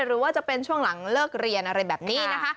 หรือว่าจะเป็นช่วงหลังเลิกเรียนอะไรแบบนี้นะคะ